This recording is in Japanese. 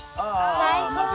最高！